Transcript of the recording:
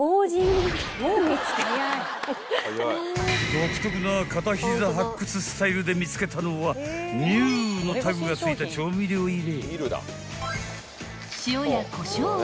［独特な片膝発掘スタイルで見つけたのはＮＥＷのタグが付いた調味料入れ］